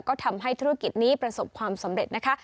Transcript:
ก็ทำให้ธุรกิจนี้ประสบความสำเร็จนะคะ